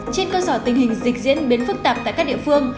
trên cơ sở tình hình dịch diễn biến phức tạp tại các địa phương